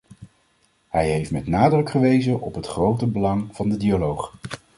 Hij heeft met nadruk gewezen op het grote belang van de dialoog.